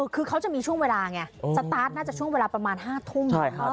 คือเขาจะมีช่วงเวลาไงสตาร์ทน่าจะช่วงเวลาประมาณ๕ทุ่ม